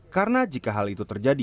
karena jika hal itu terjadi